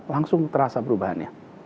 langsung terasa perubahannya